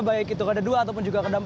baik itu roda dua ataupun juga roda empat